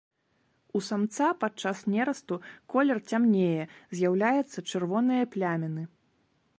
У самца падчас нерасту колер цямнее, з'яўляюцца чырвоныя пляміны.